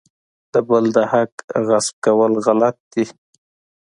د بل د حق غصب کول غلط دي.